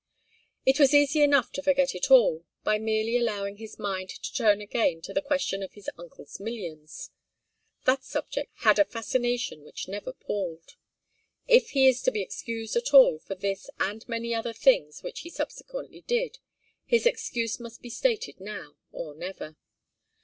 It was easy enough to forget it all, by merely allowing his mind to turn again to the question of his uncle's millions. That subject had a fascination which never palled. If he is to be excused at all for this and many other things which he subsequently did, his excuse must be stated now, or never.